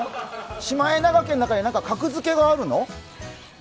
シマエナガ家の中で、格付けがあるの？